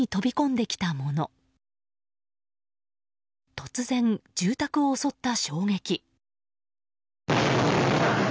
突然、住宅を襲った衝撃。